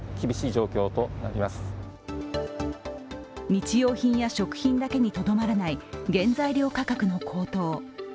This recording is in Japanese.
日用品や食品だけにとどまらない原材料価格の高騰。